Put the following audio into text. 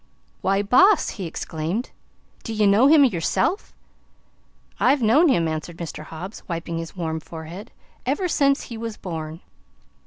"Why, boss!" he exclaimed, "d' ye know him yerself?" "I've known him," answered Mr. Hobbs, wiping his warm forehead, "ever since he was born.